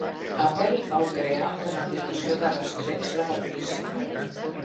Apple vol crear una aplicació de rastreig de la policia